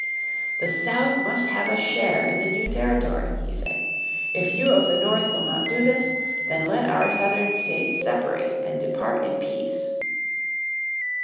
"The South must have a share in the new territory," he said. "If you of the North will not do this, then let our Southern States separate and depart in peace."